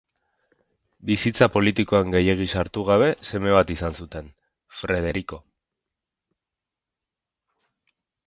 Bizitza politikoan gehiegi sartu gabe seme bat izan zuten, Frederiko.